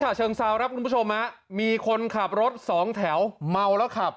เชิงเซาครับคุณผู้ชมฮะมีคนขับรถสองแถวเมาแล้วขับ